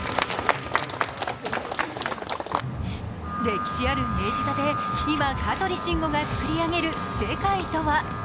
歴史ある明治座で今、香取慎吾が作り上げる世界とは。